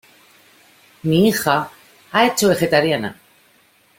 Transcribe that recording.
Mi hija ha hecho vegetariana.